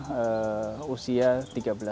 jadi saya ingin menjadi politik itu ketika saya